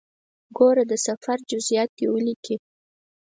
ګوره د سفر جزئیات دې ولیکې.